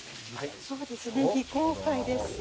そうですね非公開ですので。